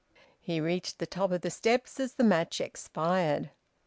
He reached the top of the steps as the match expired.